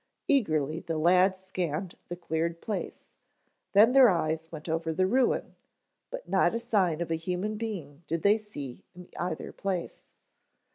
Eagerly the lads scanned the cleared place, then their eyes went over the ruin, but not a sign of a human being did they see in either place.